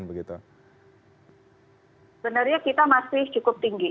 sebenarnya kita masih cukup tinggi